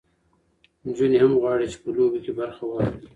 نجونې هم غواړي چې په لوبو کې برخه واخلي.